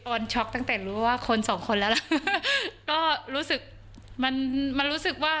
ออนช็อกตั้งแต่รู้ว่าคนสองคนแล้วละ